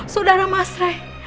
saudara mas rey